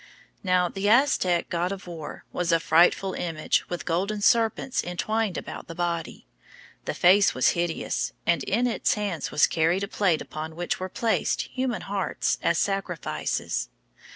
Now, the Aztec god of war was a frightful image with golden serpents entwined about the body. The face was hideous, and in its hand was carried a plate upon which were placed human hearts as sacrifices.